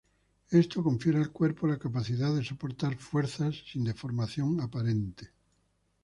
Esto confiere al cuerpo la capacidad de soportar fuerzas sin deformación aparente.